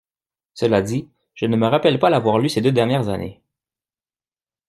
Cela dit, je ne me rappelle pas l’avoir lue ces deux dernières années…